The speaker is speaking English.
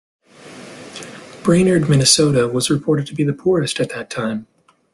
Brainerd, Minnesota was reported to be the poorest at that time.